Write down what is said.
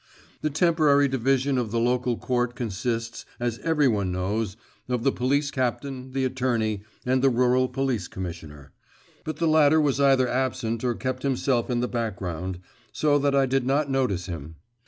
The temporary division of the local court consists, as every one knows, of the police captain, the attorney, and the rural police commissioner; but the latter was either absent or kept himself in the background, so that I did not notice him.